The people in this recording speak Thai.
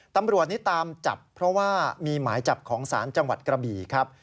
ตำรวจนี่ตามจับเพราะว่ามีหมายจับของศาลจังหวัดกระบี่ครับ